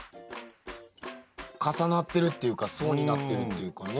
重なってるっていうか層になってるっていうかね。